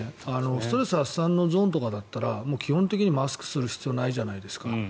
ストレス発散のゾーンとかだったら基本的にマスクする必要ないじゃないですか。